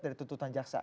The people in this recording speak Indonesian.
dari tuntutan jaksa